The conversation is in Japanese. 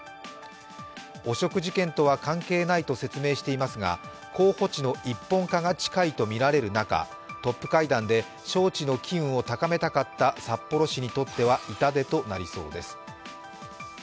汚職事件とは関係ないと説明していますが候補地の一本化が近いとみられる中、トップ会談で招致の機運を高めたかった札幌市にとっては痛手となりそうです。